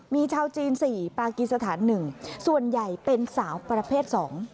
มีชาวจีน๔ปากีสถาน๑ส่วนใหญ่เป็นสาวประเภท๒